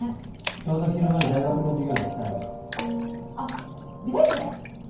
ちょうど昼間に大学の授業で来たんであっ美大生？